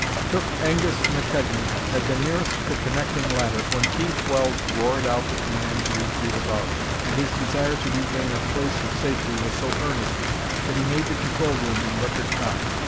Cook Angus McKegnie had been nearest the connecting ladder when Keith Wells roared out the command to retreat above, and his desire to regain a place of safety was so earnest that he made the control room in record time.